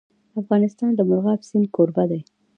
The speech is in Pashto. افغانستان د مورغاب سیند کوربه دی.